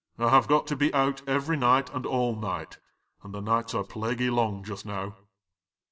I have got to be out every night and all night ; and the nights are plaguy long just now."